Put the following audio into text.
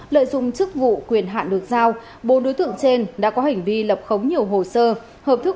lợi dụng chức vụ quyền hạn được giao bộ đối tượng trên đã có hành vi lập khống nhiều hồ sơ hợp thức